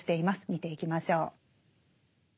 見ていきましょう。